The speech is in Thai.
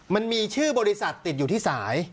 มันมีชื่อบริษัทติดอยู่ที่สาย